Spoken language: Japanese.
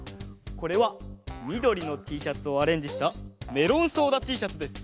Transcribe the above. これはみどりのＴシャツをアレンジしたメロンソーダＴシャツです！